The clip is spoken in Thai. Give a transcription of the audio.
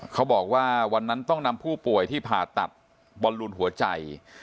เขาบอกว่าวันนั้นต้องนำผู้ป่วยที่ผ่าตัดบอลลูนหัวใจ